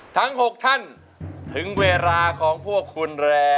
ทั้ง๖ท่านถึงเวลาของพวกคุณแล้ว